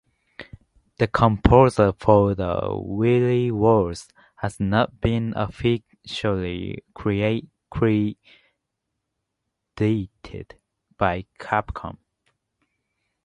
The composer for the "Wily Wars" has not been officially credited by Capcom.